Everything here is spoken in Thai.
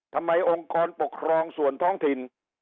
องค์กรปกครองส่วนท้องถิ่น